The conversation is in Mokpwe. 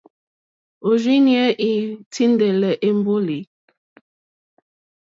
Òrzìɲɛ́ î tíndɛ̀lɛ̀ èmbólì.